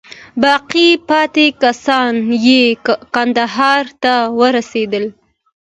باقي پاته کسان یې کندهار ته ورسېدل.